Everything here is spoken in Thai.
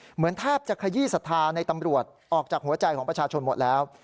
เหมือนแทบจะขยี้ศรัทธาในตำรวจออกจากหัวใจของประชาชนหมดแล้ว